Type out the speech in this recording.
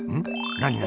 何？